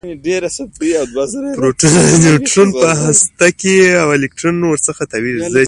پروټون او نیوټرون په هسته کې وي او الکترون ورڅخه تاویږي